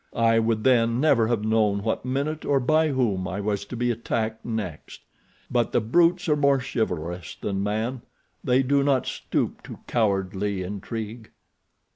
I would then never have known what minute, or by whom, I was to be attacked next. But the brutes are more chivalrous than man—they do not stoop to cowardly intrigue."